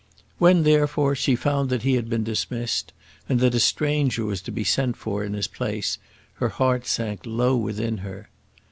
When, therefore, she found that he had been dismissed, and that a stranger was to be sent for in his place, her heart sank low within her.